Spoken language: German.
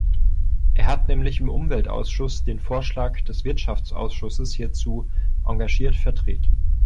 Er hat nämlich im Umweltausschuss den Vorschlag des Wirtschaftsausschusses hierzu engagiert vertreten.